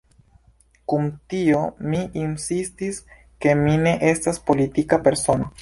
Kun tio mi insistis ke mi ne estas politika persono.